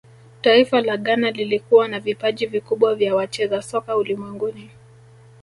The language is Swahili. taifa la ghana lilikuwa na vipaji vikubwa vya wacheza soka ulimwenguni